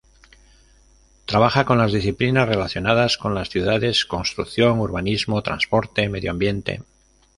Trabaja con las disciplinas relacionadas con las ciudades: construcción, urbanismo, transporte, medio ambiente.